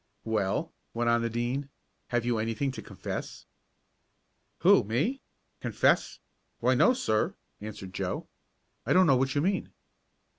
"Well," went on the Dean, "have you anything to confess?" "Who, me? Confess? Why, no, sir," answered Joe. "I don't know what you mean."